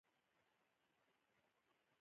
که چېرې تاسو وېښ وئ او هېڅ ستونزو کې ګېر نه وئ.